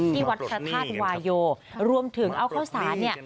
ที่วัดพระธาตุวายโยรวมถึงเอาข้าวสารเนี่ย